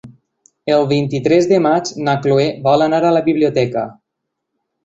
El vint-i-tres de maig na Chloé vol anar a la biblioteca.